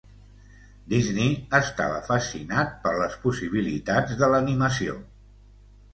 Disney estava fascinat per les possibilitats de l'animació.